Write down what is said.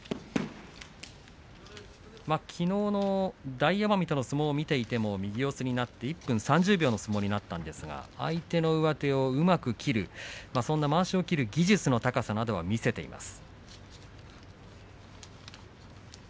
きのうの大奄美との相撲を見ていても右四つになって１分３０秒の相撲になったんですが相手の上手をうまく切るそんなまわしを切る技術の高さなどを見せています。